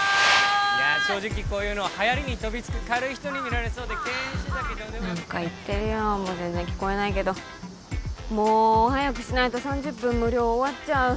いや正直こういうのはやりに飛びつく軽い人に見られそうで敬遠してたけど何か言ってるよもう全然聞こえないけどもう早くしないと３０分無料終わっちゃう